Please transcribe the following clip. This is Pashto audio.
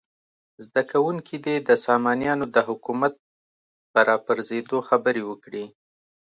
زده کوونکي دې د سامانیانو د حکومت په راپرزېدو خبرې وکړي.